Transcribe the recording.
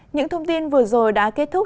những thông tin vừa rồi đã kết thúc